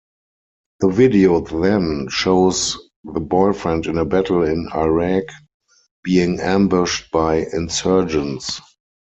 The video then shows the boyfriend in battle in Iraq being ambushed by insurgents.